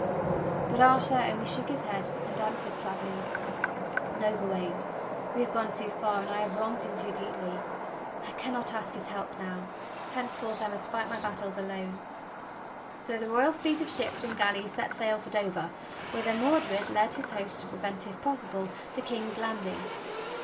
But Arthur only shook his head and answered sadly: "No, Gawain, we have gone too far, and I have wronged him too deeply. I cannot ask his help now. Henceforth I must fight my battles alone." So the royal fleet of ships and galleys set sail for Dover, whither Mordred led his host to prevent, if possible, the King's landing.